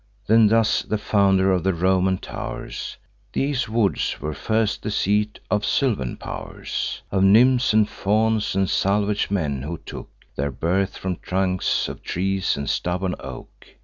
Then thus the founder of the Roman tow'rs: "These woods were first the seat of sylvan pow'rs, Of Nymphs and Fauns, and salvage men, who took Their birth from trunks of trees and stubborn oak.